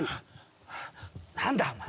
何だお前。